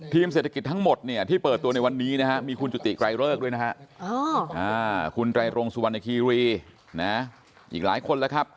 ทีมเศรษฐกิจทั้งหมดที่เปิดตัวในวันนี้นะครับมีคุณจุติกรายเลิกด้วยนะครับคุณไตรงสุวรรณคีรีอีกหลายคนแล้วครับ